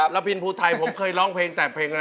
แล้วพินภูไทยผมเคยร้องเพลงแต่เพลงอะไร